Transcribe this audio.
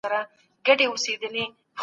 حکومت نوي ښوونځي جوړ کړل.